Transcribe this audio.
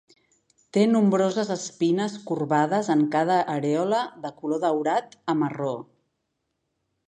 Té nombroses espines corbades en cada arèola de color daurat a marró.